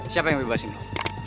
siapa yang bebasin lo